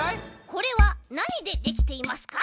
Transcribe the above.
これはなにでできていますか？